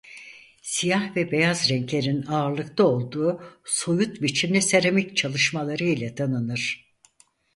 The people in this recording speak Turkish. Siyah ve beyaz renklerin ağırlıkta olduğu soyut biçimli seramik çalışmaları ile tanınır.